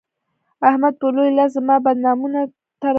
احمد به لوی لاس زما بدنامولو ته راودانګل.